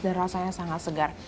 dan rasanya sangat segar